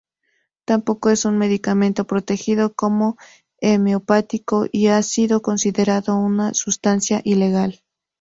Tampoco es un medicamento protegido como homeopático y ha sido considerado una sustancia ilegal.